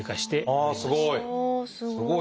ああすごい！